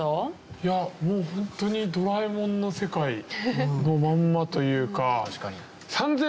いやもうホントに『ドラえもん』の世界のまんまというか。